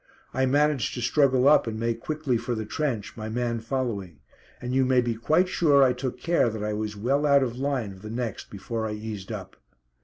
I managed to struggle up and make quickly for the trench, my man following; and you may be quite sure I took care that I was well out of line of the next before I eased up.